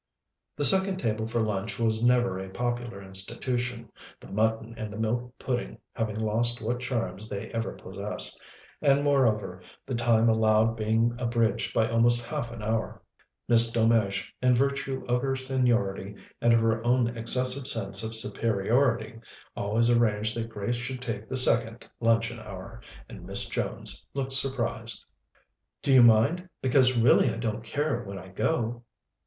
The second table for lunch was never a popular institution, the mutton and the milk pudding having lost what charms they ever possessed, and, moreover, the time allowed being abridged by almost half an hour. Miss Delmege, in virtue of her seniority and of her own excessive sense of superiority, always arranged that Grace should take the second luncheon hour, and Miss Jones looked surprised. "Do you mind, because really I don't care when I go?"